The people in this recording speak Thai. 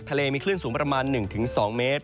ทะเลมีคลื่นสูงประมาณ๑๒เมตร